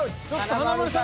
華丸さん！